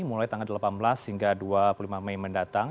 mulai tanggal delapan belas hingga dua puluh lima mei mendatang